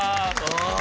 お。